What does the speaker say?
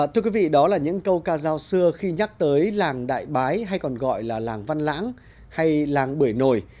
thưa quý vị đó là những câu ca giao xưa khi nhắc tới làng đại bái hay còn gọi là làng văn lãng hay làng bưởi nồi